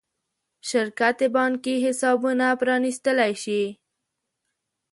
شرکت بانکي حسابونه پرانېستلی شي.